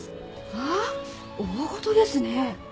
はあ大ごとですね！